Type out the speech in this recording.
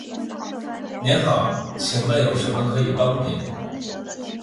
您好，请问有什么可以帮您？